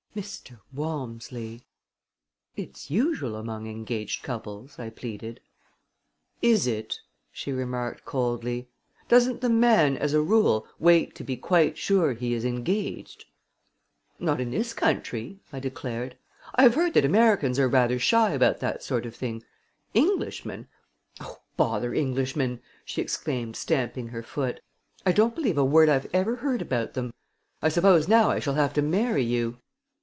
"Mr. Walmsley!" "It's usual among engaged couples," I pleaded. "Is it!" she remarked coldly. "Doesn't the man, as a rule, wait to be quite sure he is engaged?" "Not in this country," I declared: "I have heard that Americans are rather shy about that sort of thing. Englishmen " "Oh, bother Englishmen!" she exclaimed, stamping her foot. "I don't believe a word I've ever heard about them. I suppose now I shall have to marry you!"